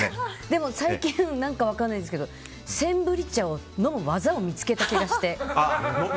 でも最近何か分からないですけどセンブリ茶を飲む技を見つけた気がして。